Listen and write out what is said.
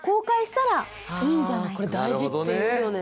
これ大事っていうよね。